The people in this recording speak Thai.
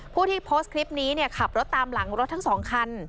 ผู้ที่โพสต์คลิปนี้ขับรถตามหลังรถทั้ง๒คัน